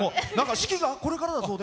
式が、これからだそうで？